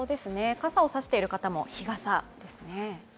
傘を差している方も、日傘ですね。